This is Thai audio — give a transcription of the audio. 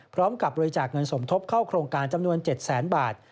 พร้อมกับบริจาคเงินสมทบเข้าโครงการจำนวน๗แสนบาท